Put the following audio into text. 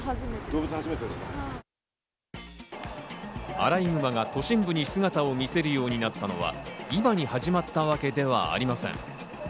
アライグマが都心部に姿を見せるようになったのは、今に始まったわけではありません。